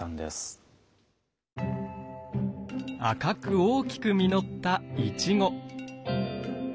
赤く大きく実ったイチゴ。